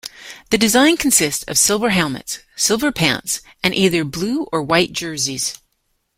The design consists of silver helmets, silver pants, and either blue or white jerseys.